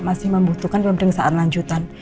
masih membutuhkan pemperiksaan lanjutan